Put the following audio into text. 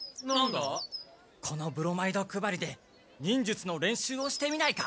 このブロマイド配りで忍術の練習をしてみないか？